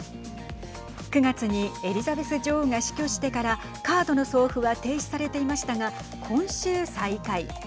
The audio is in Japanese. ９月にエリザベス女王が死去してからカードの送付は停止されていましたが今週、再開。